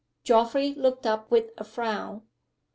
Geoffrey looked up with a frown.